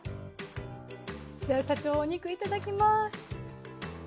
じゃあ社長お肉いただきます。